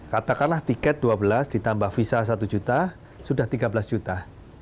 katakanlah tiket dua belas ditambah visa satu juta sudah tiga belas juta